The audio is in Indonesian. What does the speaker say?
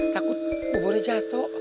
takut buburnya jatuh